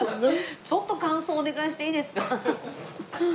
ちょっと感想お願いしていいですか？